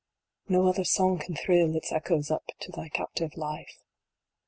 No other song can thrill its echoes up to thy captive life.